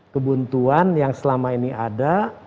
kebuntuan yang selama ini ada